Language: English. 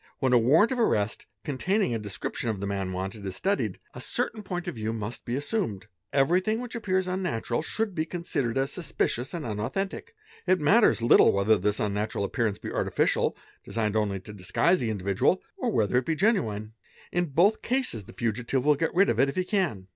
When a warrant of arrest, containing a description of the "man wanted," is studied, a certain point of view must be assumed ; everything 'which appears unnatural should be considered as suspicious and unau thentic ; it matters little whether this unnatural appearance be artificial, designed only to disguise the individual, or whether it be genuine. In both cases, the fugitive will get rid of it if he can.